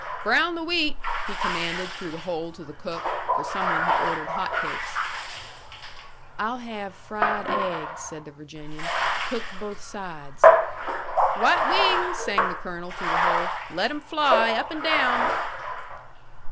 Brown the wheat!" he commanded, through the hole to the cook, for some one had ordered hot cakes. "I'll have fried aiggs," said the Virginian. "Cooked both sides." "White wings!" sang the colonel through the hole. "Let 'em fly up and down."